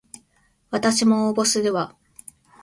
わたしも応募するわ